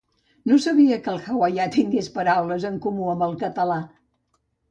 No sabia que el hawaià tingués paraules en comú amb el català!